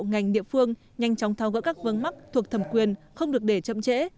ngành địa phương nhanh chóng thao gỡ các vấn mắc thuộc thẩm quyền không được để chậm trễ